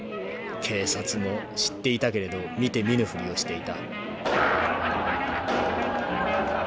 警察も知っていたけれど見て見ぬふりをしていた」。